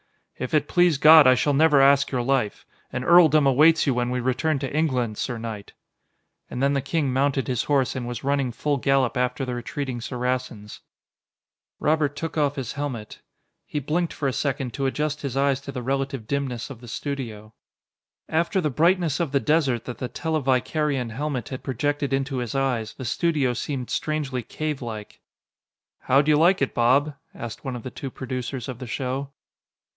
"If it please God, I shall never ask your life. An earldom awaits you when we return to England, sir knight." And then the king mounted his horse and was running full gallop after the retreating Saracens. Robert took off his helmet. He blinked for a second to adjust his eyes to the relative dimness of the studio. After the brightness of the desert that the televicarion helmet had projected into his eyes, the studio seemed strangely cavelike. "How'd you like it, Bob?" asked one of the two producers of the show.